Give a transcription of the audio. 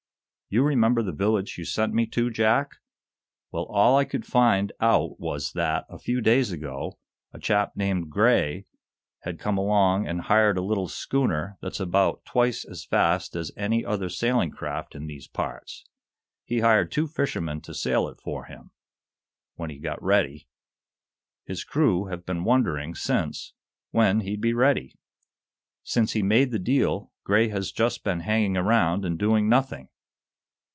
"You remember the village you sent me to, Jack? Well, all I could find out was that, a few days ago, a chap named Gray had come along and hired a little schooner that's about twice as fast as any other sailing craft in these parts. He hired two fishermen to sail it for him when he got ready. His crew have been wondering, since, when he'd be ready. Since he made the deal, Gray has just been hanging around and doing nothing."